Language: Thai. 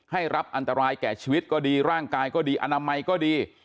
ให้รับอันตรายแก่ชีวิตก็ดีร่างกายก็ดีอนามัยก็ดี